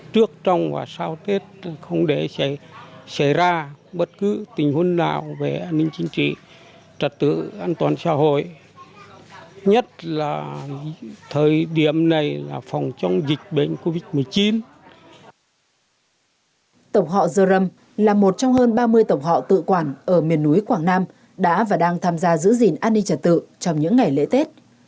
tộc họ dơ râm là một trong hơn ba mươi tộc họ tự quản ở miền núi quảng nam đã và đang tham gia giữ gìn an ninh trật tự trong những ngày lễ tết